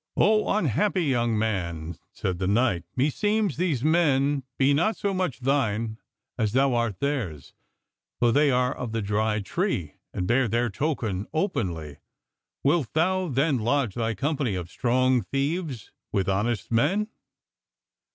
"O unhappy young man," said the knight, "meseems these men be not so much thine as thou art theirs; for they are of the Dry Tree, and bear their token openly. Wilt thou then lodge thy company of strong thieves with honest men?"